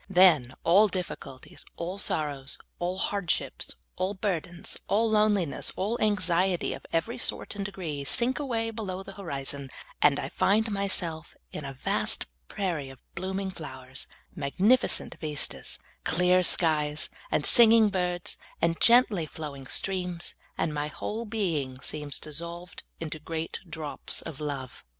Then all difficulties, all sorrows, all hardships, all burdens, all loneliness, all anxiet}^ of every sort and degree, sink awa^^ below the horizon, and I find myself in a vast prairie of blooming flowers, and magnificent vistas, and clear skies, and singing birds, and gently flowing streams, and my whole being seems dissolved into great drops of love.